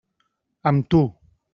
Amb tu.